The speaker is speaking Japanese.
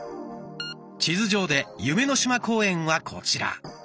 地図上で「夢の島公園」はこちら。